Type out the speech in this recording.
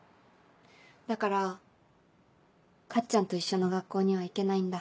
だからカッちゃんと一緒の学校には行けないんだ。